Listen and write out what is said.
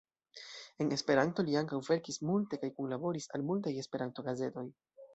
En Esperanto li ankaŭ verkis multe kaj kunlaboris al multaj Esperanto-gazetoj.